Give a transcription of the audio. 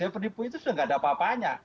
penipu itu sudah tidak ada apa apanya